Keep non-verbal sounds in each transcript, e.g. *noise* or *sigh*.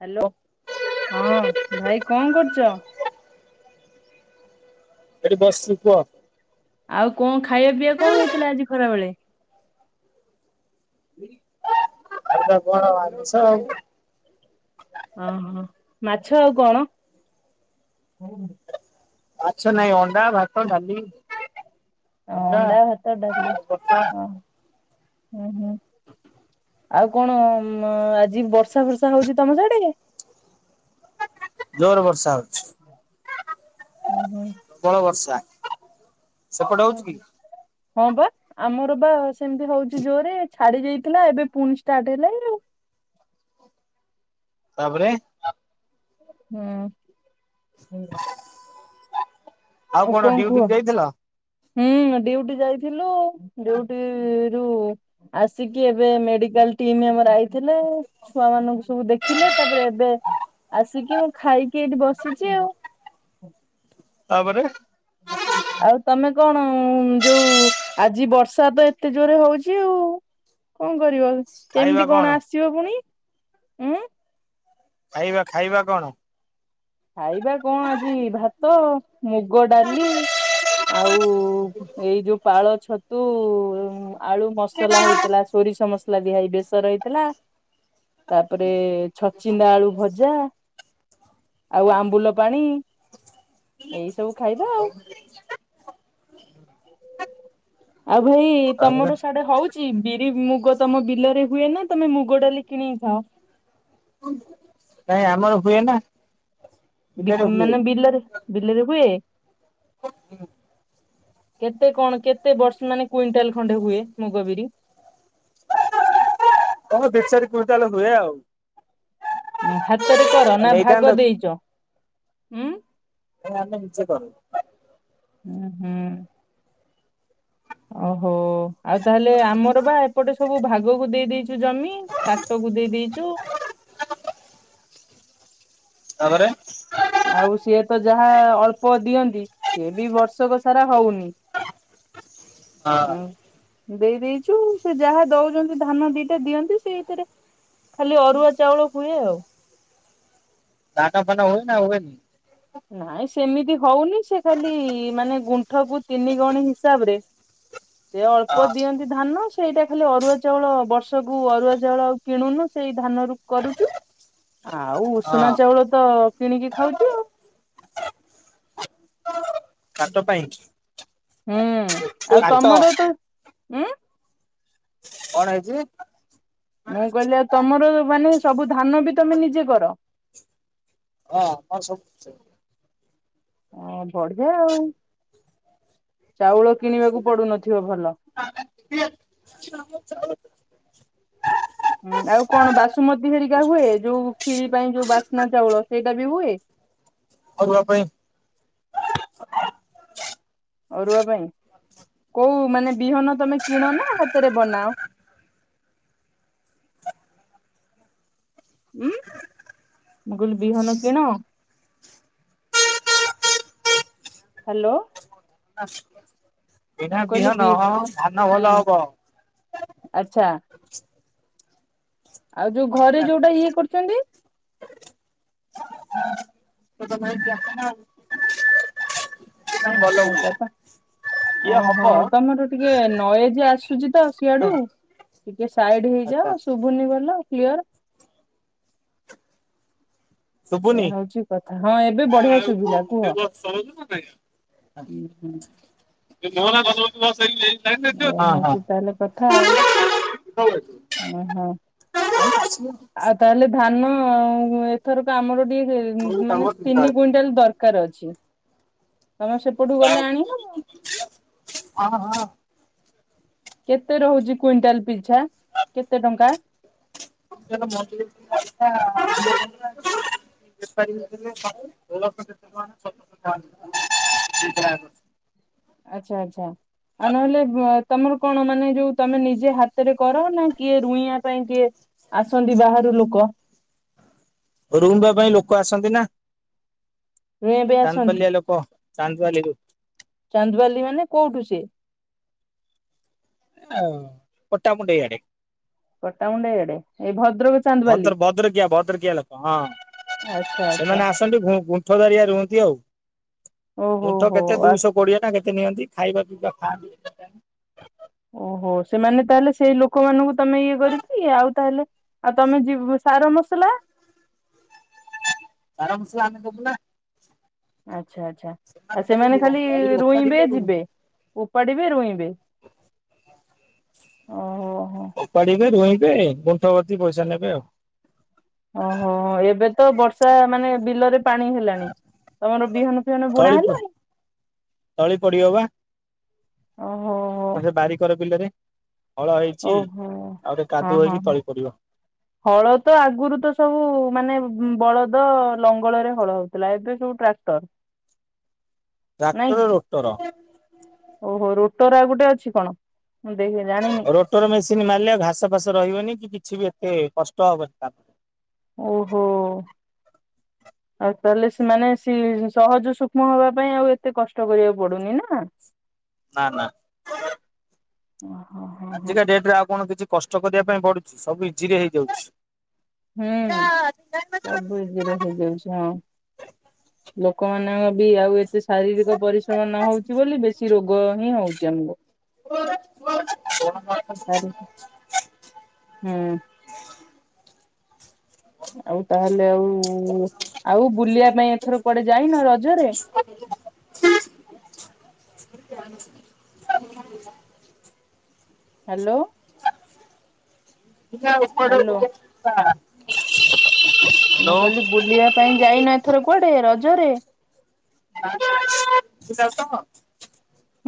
Hello ହଁ ଭାଇ କଣ କରୁଚ? ଏଇଠି ବସିଚି କୁହ। ଆଉ କଣ ଖାଇବା ପିଇବା କଣ ହେଇଥିଲା ଆଜି ଖରାବେଳେ? *unintelligible* ମାଛ। ଓ ହୋ ମାଛ ଆଉ କଣ? ମାଛ ନାଇଁ ଅଣ୍ଡା, ଭାତ, ଡ଼ାଲି। ହଁ ଅଣ୍ଡା, ଭାତ, ଡ଼ାଲି ଭର୍ତ୍ତା ହଁ ହୁଁ ହୁଁ। ଆଉ କଣ ଆଜି ବର୍ଷା ବର୍ଷା ହଉଛି ତମ ସିଆଡେ଼? ଜୋରେ ବର୍ଷା ହୁଁ ହୁଁ। ପ୍ରବଳ ବର୍ଷା। ସେପଟେ ହୁଁ ହଉଛି କି ହୁଁ। ହଁ ବା ଆମର ବା ସେମିତି ହଉଛି ଜୋରେ ଛାଡ଼ି ଯାଇଥିଲା ଏବେ ପୁଣି ଷ୍ଟାର୍ଟ ହେଲାଣି ଆଉ। ତାପରେ ହୁଁ। ଆଉ କଣ ଡ୍ୟୁଟି କି କୁହ। ଯାଇଥିଲ ହୁଁ ଡ୍ୟୁଟି ଯାଇଥିଲୁ ଡ୍ୟୁଟି ରୁୁ ଆସିକି ଏବେ ମେଡ଼ିକାଲ ଟିମ୍ ଆମର ଆଇଥିଲେ। ଛୁଆ ମାନଙ୍କୁ ସବୁ ଦେଖିଲେ ତାପରେ ଏବେ ଆସିକି ମୁଁ ଖାଇକି ଏଇଠି ବସିଚି ଆଉ। ତାପରେ *inaudible* ଆଉ ତମେ କଣ ଉଁ ଯୋଉ ଆଜି ବର୍ଷା ତ ଏତେ ଜୋରେ ହଉଚି ଆଉ। କଣ କରିବ କେମିତି କଣ ଆସିବ ପୁଣି ଉଁ? ଖାଇବା ଖାଇବା କଣ? ଖାଇବା କଣ ଆଜି ଭାତ, ମୁଗ ଡ଼ାଲି ଆଉ କୁ ଏଇ ଯୋଉ ପାଳ ଛତୁ ଉଁ ଆଳୁ ମସଲା ହେଇଥିଲା। ସୋରିଷ ମସଲା ଦିଆ ହେଇ ବେସର ହେଇଥିଲା। ତାପରେ ଛଚିନ୍ଦା ଆଳୁ ଭଜା। ଆଉ ଆମ୍ବୁଲ ପାଣି ଏଇ ସବୁ ଖାଇବା ଆଉ। ଆଉ ଭାଇ ତାପରେ ତମର ସାଢେ଼ ହଉ ଚି ବିରି ମୁଗ ତମ ବିଲରେ ହୁଏ ନା ତମେ ମୁଗ ଡ଼ାଲି କିଣିକି ଖାଅ? ନାଇଁ ଆମର ହୁଏ ନା। ବିଲରେ ବିକି ହୁଏ ମାନେ ବିଲରେ ବିଲରେ ହୁଏ। *unintelligible* ହୁଁ। କେତେ କଣ କେତେ ବର୍ଷ ମାନେ କୁଇଣ୍ଟାଲ ଖଣ୍ଡେ ହୁଏ ମୁଗବରି? ଧର ଦି ଚାରି କୁଇଣ୍ଟାଲ ହୁଏ ଆଉ। ହାତରେ କର ନା ନେଇଥାନ୍ତ ଭାଗ କି ଦେଇଚ ଉଁ? ଏ ଆମେ ନିଜେ କରୁ। ଉଁ ହୁଁ। ଓ ହୋ ଆଉ ତାହେଲେ ଆମର ବା ଏପଟେ ସବୁ ଭାଗକୁ ଦେଇ ଦେଇଚୁ ଜମି କାଟକୁ ଦେଇ ଦେଇଚୁ। ତାପରେ। ଆଉ ସିଏ ତ ଯାହା ଅଳ୍ପ ଦିଅନ୍ତି ସିଏ ବି ବର୍ଷକ ସାରା ହଉନି। ହଁ ଉଁ। ଦେଇ ଦେଇଛୁ ସେ ଯାହା ଦଉଛନ୍ତି ଧାନ ଦିଟା ଦିଅନ୍ତି ସେଇ ଥିରେ ଖାଲି ଅରୁଆ ଚାଉଳ ହୁଏ ଆଉ। ଧାନ ଫାନ ହୁଏ ନା ହୁଏନି? ନାଇଁ ସେମିତି ହଉନି ସେ ଖାଲି ମାନେ ଗୁଣ୍ଠ କୁ ତିନି ଗଉଣି ହିସାବ ରେ ସେ ଅଳ୍ପ ହଁ ଦିଅନ୍ତି। ଧାନ ସେଇଟା ଖାଲି ଅରୁଆ ଚାଉଳ ବର୍ଷକୁ ଅରୁଆ ଚାଉଳ ଆଉ କିଣୁନୁ ସେଇ ଧାନରୁ କରୁଚୁ। ଆଉ ହଁ ଉଷୁନା ଚାଉଳ ତ କିଣିକି ଖାଉଛୁ ଆଉ। କାଟ ପାଇଁ। ହୁଁ ଆଉ କାଟ ତମର ତ ଉଁ କଣ ହେଇଚି? ମୁଁ କହିଲି ଆଉ ତମର ଉ ମାନେ ସବୁ ଧାନ ବି ତମେ ନିଜେ କର। ହଁ ହଁ ସବୁ ନିଜେ ଓ ବଢିଆ ଆଉ ଚାଉଳ କିଣିବାକୁ ପଡୁନଥିବ ଭଲ। *unintelligible* ହଁ ଆଉ କଣ ବାସୁମତୀ ହେରିକା ହୁଏ। ଯୋଉ ଖିରୀ ପାଇଁ ଯୋଉ ବାସ୍ନା ଚାଉଳ ସେଇଟା ବି ହୁଏ। ଅରୁଆ ପାଇଁ ଅରୁଆ ପାଇଁ କୋଉ ମାନେ ବିହନ ତମେ କିଣ ନା ହାତରେ ବନାଅ? ଉୁଁ ମୁ କଇଲି ବିହନ କିଣ? ହ୍ୟାଲୋ। କିଣା ମୁଁ କହିଲି ବି ବିହନ ହଁ ଧାନ ଭଲ ହୁଁ ହବ। ଆଚ୍ଛା। ଆଉ ଯୋଉ ତମେ ଘରେ ଯୋଉଟା ଇଏ କରୁଛନ୍ତି? *unintelligible* ଆଉ ଭଲ ଆଛା ହୁଏ ଆଚ୍ଛା ତ ଯିଏ ହବ ଓହୋ ତମର ଟିକେ ନୋଇଜ ଆସୁଛି ତ ସିଆଡୁ ଟିକେ ସାଇଡ ଆଚ୍ଛା ହେଇଯାଅ ଶୁଭୁନି ଭଲ। କ୍ଲିୟର। ଏୟା ଶୁଭୁନି। ହଉଛି କଥା ହଁ ଏବେ ବଢିଆ ଶୁଭିଲା କୁହ ହୁଁ ହୁଁ। ଏୟା ହଉଛି ତାହେଲେ *unintelligible* ହୁଁ ହୁଁ। *unintelligible* ତାହେଲେ ଧାନ ଆ ଏଥରକ ଆମର ଟିକେ ମାନେ ତିନି କୁଇଣ୍ଟାଲ ଦରକାର। ଦରକାର ଅଛି ତମ ସେପଟୁ ଗଲେ ଆଣିିବ। ହଁ ହଁ। କେତେ ରହୁଛି କୁଇଣ୍ଟାଲ ପିଛା କେତେ ଟଙ୍କା? *unintelligible* *unintelligible* ଆଚ୍ଛା ଆଚ୍ଛା। ଆଉ ନହେଲେ ତମର କଣ ମାନେ ଯୋଉ ତମେ ନିଜେ ହାତରେ କର ନା କିଏ ରୁଇବା ପାଇଁ କିଏ ଆସନ୍ତି ବାହାରୁ ଲୋକ। ରୁଇବା ପାଇଁ ଲୋକ ଆସନ୍ତି ନା ରୁଇଁବା ପାଇଁ ଆସନ୍ତି ଚାନ୍ଦପାଲିଆ ଲୋକ। ଚାନ୍ଦବାଲିରୁ। ଚାନ୍ଦୁବାଲି ମାନେ କୋଉଠୁ ସେଏ? ହ ପଟାମୁଣ୍ଡେଇଆଡେ। ପଟ୍ଟାମୁଣ୍ଡାଇ ଆଡେ ଏଇ ଭଦ୍ରକ ଚାନ୍ଦବାଲି ଭଦ୍ର ଭଦ୍ରକିଆ ଭଦ୍ରକିଆ ଲୋକ ହଁ ଆଚ୍ଛା ଆଚ୍ଛା ସେମାନେ ଆସ ଗୁଣ୍ଠ ଗୁ ଗୁଣ୍ଠ ଧରିଆ ରୁହନ୍ତି ଆଉ। ଓହୋ ଗୁଣ୍ଠ ହୋ କେତେ ଆଉ ଦୁଇଶହ କୋଡିଆ ନା କେତେ ନିଅନ୍ତି। ଖାଇବା ପିଇବା ଖାଆ ଓହୋ ସେମାନେ ତାହେଲେ ସେଇ ଲୋକମାନଙ୍କୁ ତମେ ଇଏ କରିକି ଆଉ ତାହେଲେ ଆଉ ତମେ ଯିବ ସାର ମସଲା? ସାର ମସଲା ଆମେ ଦେବୁ ନା। ଆଚ୍ଛା ଆଚ୍ଛା ଆଉ ସେମାନେ ଖାଲି ରୁଇବେ ଯିବେ ଉପାଡିବେ ରୁଇଁବେ। ଓହୋ। ଓପାଡ଼ିବେ ରୋଇଁବେ ଗୁଣ୍ଠବର୍ତ୍ତିୀ ପଇସା ନେବେ ଆଉ। ଓହୋ ଏବେ ତ ବର୍ଷା ମାନେ ବିଲରେ ପାଣି ହେଲା। ତମର ବିହନ ଫିହନ ତଳି ବୁଣା ହେଲା। ତଳି ପଡିିବ ବା ଓହୋ ସେ ବାରିକର ବିଲରେ। ହଳ ହେଇଛି ଆଉ ଓହୋ। ଗୋଟେ ହଁ କାଦୁଅ ହଁ ହେଇକି ହଁ ତଳି ପଡିବ। *inaudible* ହଳ ତ ଆଗରୁ ତ ସବୁ ମାନେ ବଳଦ ଲଙ୍ଗଳରେ ହଳ ହଉଥିଲା ଏବେ ସବୁ ଟ୍ରାକ୍ଟର। *inaudible* ନାଇଁ ଟ୍ରାକ୍ଟର କି ରୋଟର। ଓହୋ ରୋଟର ଆଉ ଗୋଟେ ଅଛି କଣ ମୁଁ ଦେଖିନି ଜାଣିନି। ରୋଟର ମେସିନ୍ ମାରିଲେ ଆଉ ଘାସ ଫାସ ରହିବନି କି କିଛି ବି ଏତେ କଷ୍ଟ ହବନି ତାପରେ। ଓହୋ। ଆଉ ତାହେଲେ ସେମାନେ ସି ସହଜ ସୂକ୍ଷ୍ମ ହବା ପାଇଁ ଆଉ ଏତେ କଷ୍ଟ କରିବାକୁ ପଡୁନି ନା? *inaudible* ନା ନା। ଓହୋ ହୋ। ଆଜିକା ଡେଟ୍ ରେ ଆଉ କଣ କିଛି କଷ୍ଟ କରିବା ପାଇଁ ପଡୁଛି ସବୁ ଇଜି ରେ ହେଇଯାଉଛି। ହୁଁ ସବୁ ଇ ଜିରେ ହେଇଯାଉଛି ହଁ ଲୋକମାନଙ୍କ ବି ଆଉ ଏ ତେ ଶାରୀରିକ ପରିଶ୍ରମ ନ ହଉଛି ବୋଲି ବେଶୀ ରୋଗ ହିଁ ହଉଛି ଆମକୁ। *unintelligible* ଆରେ ହୁଁ। ଆଉ ତାହେଲେ ଆଉ-ଉ-ଉ-ଉ ଆଉ ବୁଲିବା ପାଇଁ ଏଥର କୁଆଡେ ଯାଇନ ରଜରେ। *unintelligible* ହ୍ୟାଲୋ। ହ୍ୟାଲୋ। *unintelligible* ମୁଁ କହିଲି ବୁଲିବା ପାଇଁ ଯାଇନ ଏଥର କୁଆଡେ ରଜରେ?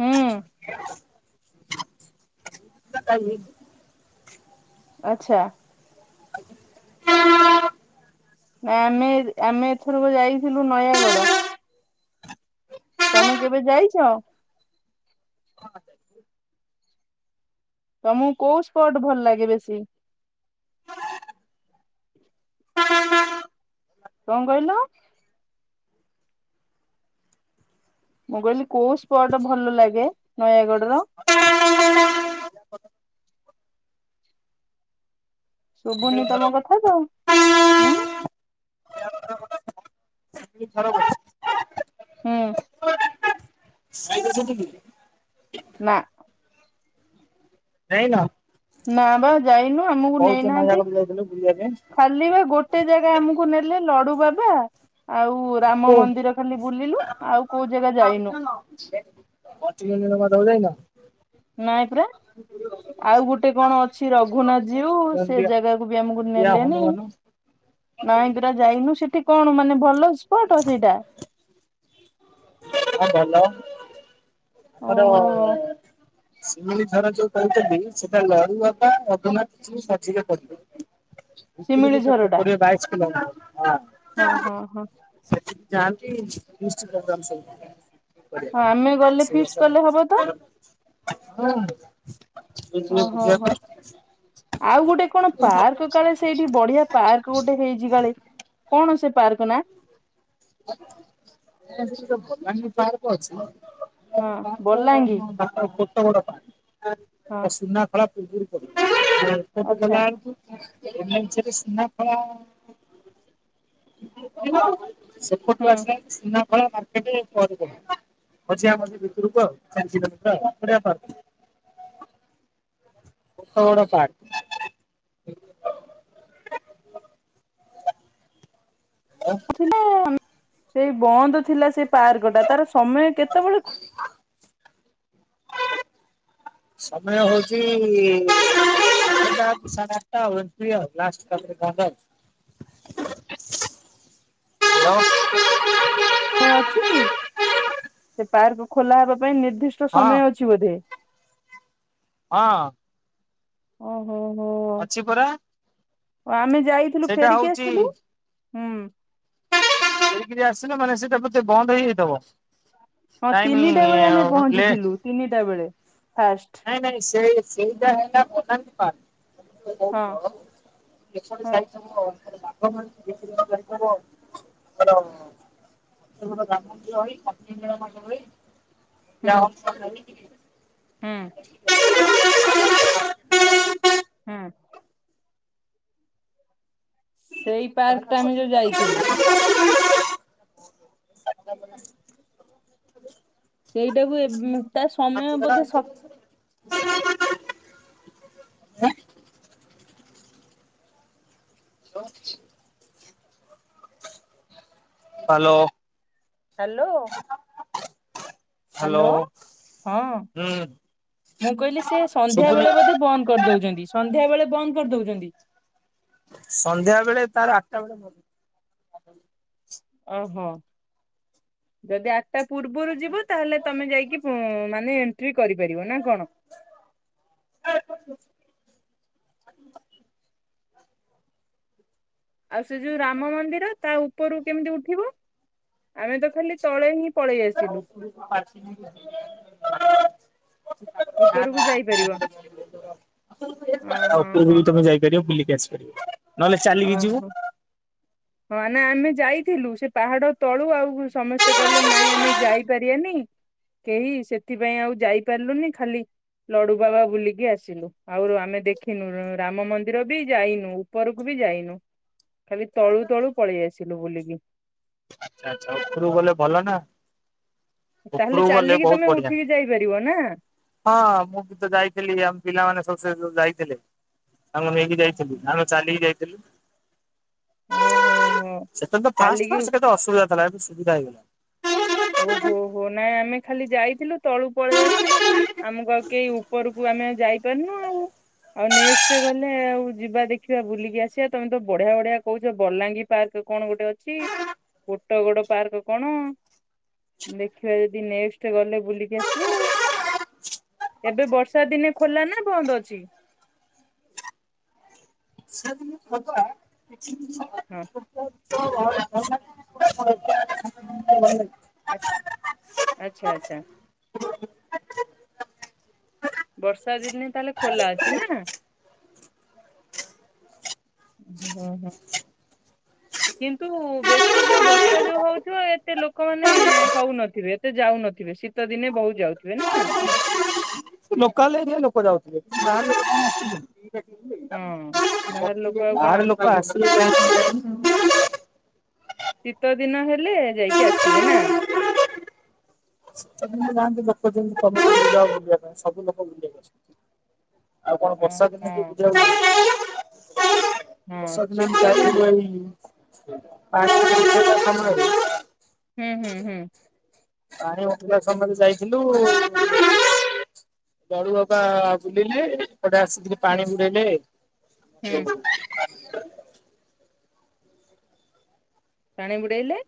ହୁଁ *unintelligible* ଆଛା। *unintelligible* ଆମେ ଏ ଆମେ ଏଥରକ ଯାଇଥିଲୁ ନୟାଗଡ। ତମେ କେବେ ଯାଇଛ? ତମକୁ କୋଉ ସ୍ପଟ୍ ଭଲ ଲାଗେ ବେଶୀ? କଣ କହିଲ? ମୁଁ କହିଲି କୋଉ ସ୍ପଟ ଭଲ ଲାଗେ ନୟାଗଡ ର? ଶୁଭୁନି ତମ କଥା ତ ଉଁ। *unintelligible* ହୁଁ। *unintelligible* ନା। ଯାଇନ? ନା ବା ଯାଇନୁ ଆମକୁ ନେଇନାହାନ୍ତି ନୟାଗଡ଼ ଯାଇଥିଲୁ ବୁଲିବା ପାଇଁ। ଖାଲି ବା ଗୋ ଗୋଟେ ଜାଗା ଆମକୁ ନେଲେ ଲଡୁ ବାବା ଆଉ ରାମ ମନ୍ଦିର। ଖାଲି ବୁଲିଲୁ ଆଉ କୋଉ ଜାଗା ଯାଇନୁ। କନ୍ଟୀଲ ନୀଳ ମାଧବ ଯାଇନ? ନାଇ ପରା ଆଉ ଗୋଟେ କଣ ଅ କିଛି ରଘୁନାଥ ଯିଉ ସେ ଗଣ୍ଡିଆ ଜାଗାକୁ ବି ଆମକୁ ଗଣ୍ଡିଆ ନେଲେନି ହନୁମାନ ନାଇଁ ପରା। ଯାଇନୁ ସେଠି କଣ ମାନେ ଭଲ ସ୍ପଟ ସେଇଟା? ହଁ ଭଲ ଆମର-ଅ-ଅ-ଅ ଓହୋ ସିମିଳି ଝର ଯୋଉ କହୁଛନ୍ତି ସେଟା ଲଡୁ ବାବା ରଘୁନାଥ *unintelligible* ମଝି ରେ ପଡିବ। ଶିମିଳି ଝର ଟା *unintelligible* ବାଇଶ କିଲୋ ମିଟର। ହଁ ହଁ ହଁ। ସେଠି କି ଯାଆନ୍ତି ଲିଷ୍ଟ୍ କରନ୍ତି ସବୁ। ହଁ ଆମେ ବଢିଆ ଗଲେ ଫିଷ୍ଟ କଲେ ରୋଷେଇ ହବ ତ ବାସ ଓହୋ ହୋ ହୁଁ। ଆଉ ଗୋଟେ କଣ ପାର୍କ କାଳେ ସେଇଠି ବଢିଆ ପାର୍କ ଗୋଟେ ହେଇଛି କାଳେ। କଣ ସେ ପାର୍କ ନା? କହନ୍ତି ବଲାଣି ପାର୍କ ଅଛି। *unintelligible* ହଁ ବଲାଙ୍ଗୀ ଖରାପ *unintelligible* ହଁ *unintelligible* ସୁନାଖଳା ଆଚ୍ଛା ଏପଟୁ ହୁଁ ଆସିଲାଳକୁ ସୁନାଖଳା ମାର୍କେଟ ପରେ ପଡେ। ମଝିଆ ମଝି ଭିତରକୁ ଆଉ ବଢିଆ ପାର୍କ ଟା। ବଡ ବଡ ପାର୍କ। ଆଁ। ଥିଲା ସେ ବନ୍ଦ ଥିଲା ସେ ପାର୍କ ଟା ତାର ସମୟ କେତେବେଳେ ସମୟ ହଉଛି ଆଠଟା ସାଢ଼େ ଆଟା ଆଉ ଏମିତି ଆଉ ଲାଷ୍ଟ ତାପରେ ବନ୍ଧ। ହ୍ୟାଲୋ। ସମୟ ଅଛି କି ସେ ପାର୍କ ଖୋଲା ହେବା ପାଇଁ ନିର୍ଦ୍ଦିଷ୍ଟ ହଁ ସମୟ ଅଛି ବୋଧେ। ହଁ। ଅ ହୋ ହୋ। ଅଛି ପରା। ଓ ଆମେ ଯାଇଥିଲୁ ସେଇଟା ଫେରିକି ହଉଛି ଆସିଥିଲୁ ହୁଁ। ଫେରିକିରି ଆସିଲ ମାନେ ସେଇଟା ବୋଧେ ବନ୍ଦ ହେଇଯାଇଥବ। ହଁ ତିନିଟା ବେଳେ ଆମେ ଲେ ପହଞ୍ଚିଥିଲୁ ତିନିଟା ବେଳେ ଫାଷ୍ଟ। ନାଇଁ ନାଇଁ ସେ ସେଇଟା ହେଲା ବଟାନି ପାର୍କ। ହଁ ହଁ *inaudible* *unintelligible* ହୁଁ *unintelligible* ହୁଁ। ହୁଁ। ସେଇ ପାର୍କ ଟା ଆମେ ତାହାଲେ ଯୋଉ ଯାଇଥିଲୁ ଆମେ ହସ୍‌ ସେଟା ତ ଆଟା ପରେ। ସେଇଟାକୁ ଏବେ ତା ସମୟ ବୋଧେ ସ ସ କିଛି। ହ୍ୟାଲୋ। ହ୍ୟାଲୋ। ହ୍ୟାଲୋ ହଁ। ହୁଁ ମୁଁ କହିଲି ସେ ସନ୍ଧ୍ୟା ଶୁଭୁନି ବେଳେ ବୋଧେ ବନ୍ଦ କରିଦଉଛନ୍ତି ସନ୍ଧ୍ୟା ବେଳେ ବନ୍ଦ କରିଦଉଛନ୍ତି। ସନ୍ଧ୍ୟା ବେଳେ ତାର ଆଟା ବଳେ ବନ୍ଦ। ଓହୋ ଯଦି ଆ ତା ପୂର୍ବରୁ ଯିବ ତାହେଲେ ତମେ ଯାଇକି ମାନେ ଏଣ୍ଟ୍ରି କରିପାରିବ ନା କଣ? ଆଉ ସେ ଯୋଉ ରାମ ମନ୍ଦିର ତା ଉପରରୁ କେମିତି ଉଠିବ ଆମେ ତ ଖାଲି ତଳେ ହିଁ ପଳେଇ ଆସିଲୁ ଉପରକୁ ଯାଇପାରିବ। ତା ହଁ ହଁ ହଁ। ଉପରକୁ ତମେ ଯାଇପାରିବ ବୁଲିକି ଆସିପାରିବ। ନହେଲେ ଚାଲିକି ଯିବୁ ଓହୋ। ହଁ ଆମେ ଆମେ ଯାଇଥିଲୁ ସେପାହାଡ଼ ତଳୁ ଆଉ ସମସ୍ତେ କହିଲେ ନାଇଁ ଆମେ ଯାଇପାରିବାନି କେହି ସେଥିପାଇଁ ଆଉ ଯାଇପାରିଲୁନି ଖାଲି ଲଡ଼ୁବାବା ବୁଲିକି ଆସିଲୁ ଆଉରୁ ଆମେ ଦେଖିନୁ ରାମ ମନ୍ଦିର ବି ଯାଇନୁ ଉପରକୁ ବି ଯାଇନୁ ଖାଲି ତଳୁ ତଳୁ ପଳେଇ ଆସିଲୁ ବୁଲିକି। ଆଚ୍ଛା ଆଚ୍ଛା ଉପରକୁ ଗଲେ ଭଲନା ଉପରକୁ ଗଲେ ବହୁତ୍ ବଢ଼ିଆ। ଯାଇପାରିବନା? ହଁ ମୁଁ ବିତ ଯାଇଥିଲି ଆମେ ପିଲାମାନେ ସବୁ ସେଉପରକୁ ଯାଇଥିଲେ ଆମେ ନେଇକି ଯାଇଥିଲି ଆମେ ଚାଲିକି ଯାଇଥିଲୁ ଓହୋ ହୋ ସେତେବେଳେତ ଫାଷ୍ଟେ ଚାଲିକି ଫାଷ୍ଟେ କେ ତ ଅସୁବିଧାଥିଲା ଏବେ ସୁବିଧା ହେଇଗଲାଣି। ଓହୋ ହୋ ନାଁ ଆମେ ଖାଲି ଯାଇଥିଲୁ ତଳୁ ପଳେଇ ଆସିଲୁ। ଆମକୁ ଆଉ କେହି ଉପରକୁ ଆମେ ଆଉ ଯାଇପାରିନୁ ଆଉ। ଆଉ ନେକ୍ସଟ୍ ଗଲେ ଆଉ ଯିବା ଦେଖିବା ବୁଲିକି ଆସିବା ତମେତ ବଢିଆ ବଢିଆ କହୁଚ ବଲାଙ୍ଗୀ ପାର୍କ କଣ ଗୋଟେ ଅଛି ଗୋଟ ଗୋଡ଼ ପାର୍କ କଣ? ଦେଖିବା ଯଦି ନେକ୍ସଟ୍ ଗଲେ ବୁଲିକି ଆସିବା ଆଉ। ଏବେ ବର୍ଷା ଦିନେ ଖୋଲାନା ବନ୍ଦ ଅଛି? କି ଛତୁଆ *unintelligible* ହଁ *unintelligible* *unintelligible* ଆଛା ଆଚ୍ଛା ଆଚ୍ଛା। ବର୍ଷା ଦିନେ ତାହେଲେ ଖୋଲା ଅଛି ନା? ହଁ ହଁ। କିନ୍ତୁ ବେଶୀ ଯୋଉ ବର୍ଷା ଯୋଉ ହଉଥିବ ଏତେ ଲୋକମାନେ ହଉନଥିବେ ଏତେ ଯାଉନଥିବେ ଶୀ ଶୀତ ଦିନେ ବହୁତ୍ ଯାଉଥିବେ ନା? ସେ ଲୋକାଲ ଏରିଆ ଲୋକ ଯାଉଥିବେ *unintelligible* ହଁ ବାହହାର ଲୋକ ଆଉ ବାହାର କଣ ଆସିବେକି? *unintelligible* ଶୀତ ଦିନ ହେଲେ ଯାଇକି ଆସିବେନା। ମିଶି ଯାହାନ୍ତି ଲୋକ ଯେମିତି କମ୍ ବୁଲିବା ପାଇଁ ସବୁ ଲୋକ ବୁଲିବାକୁ ଆସନ୍ତି। ‌ ଆଉ କଣ ଅ, ବର୍ଷା ଦିନେ କିଏ ହଁ ବୁଲିବାକୁ ହଁ ଯିବେ ହଁ ବର୍ଷା ଶୀତ ଦିନ *unintelligible* ହୁଁ ହୁଁ ହୁଁ। ପାଣି ଉପଠିଲା ସମୟରେ ଯାଇଥିଲୁ ଲଡ଼ୁବାବା ବୁଲିଲି ଏପଟେ ଆସିି ହୁଁ ପାଣି ବୁଡ଼େଇଲେ ହୁଁ ପାଣି ବୁଡ଼େଇଲେ?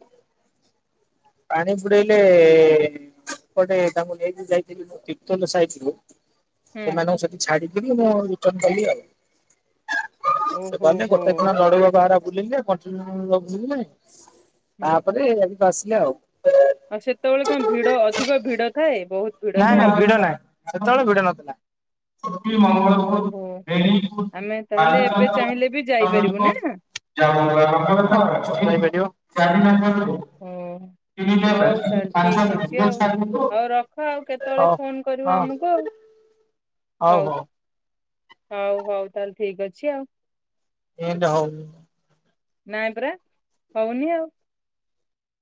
ପାଣି ବୁଡେଇଲେ ଏପଟେ ତାଙ୍କୁ ନେଇକି ଯାଇଥିଲି କିର୍ତନ ସାଇଟିକୁ ହୁଁ ସେମାନଙ୍କୁ ସେଠି ଛାଡିିକିରି ମୁଁ ରିଟନ୍ କଲି ଆଉ। ଓହୋ ସେଗଲେ ହୋ ଗୋଟେ ଦିନ ଲଡ଼ୁବାବା ହ ବୁଲିଲେ *unintelligible* ସବୁ ବୁଲିଲେ ହୁଁ ତାପରେ ଏଆଡ଼ିକି ଆସିଲେ ଆଉ। ଆଉ ସେତେବେଳେ କଣ ଭିଡ଼ ଅଧିକ ଭିଡ଼ ଥାଏ ବହୁତ୍ ନାଇଁ ନାଇଁ ଭିଡ଼ ନାହିଁ ସେତେବେଳେ ଭିଡ଼ ନଥିଲା। ଓହୋ *unintelligible* ହୋ ଆମେ ତାହେଲେ ଏବେ ଚାହିଁଲେ ବି ଯାଇପାରିବୁ ନା *unintelligible* ଯାଇପାରିବ ଉଁ ହୁଁ। ହଉ ତାହଲେ ଠିକ୍ ଅଛି ଆଉ ହଉ ରଖ ଆଉ କେତେବେଳେ ଫୋନ୍ କରିବ ଆମକୁ ଆଉ? ହଉ ହଉ ହଉ ତାହେଲେ ଠିକ୍ ଅଛି ଆଉ। ଏମିତି ହଉନି ନାଇଁ ପରା ହଉନି ଆଉ।